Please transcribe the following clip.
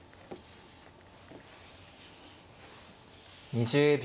２０秒。